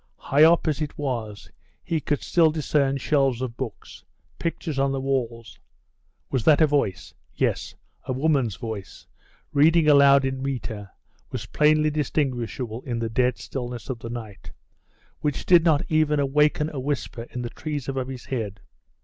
High up as it was, he could still discern shelves of books pictures on the walls. Was that a voice? Yes! a woman's voice reading aloud in metre was plainly distinguishable in the dead stillness of the night, which did not even awaken a whisper in the trees above his head.